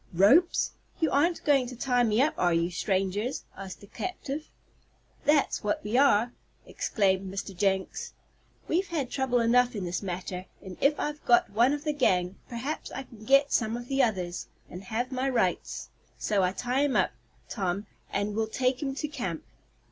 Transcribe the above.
"Ropes? You aren't going to tie me up are you, strangers?" asked the captive. "That's what we are!" exclaimed Mr. Jenks. "We've had trouble enough in this matter, and if I've got one of the gang, perhaps I can get some of the others, and have my rights. So tie him up, Tom, and we'll take him to camp.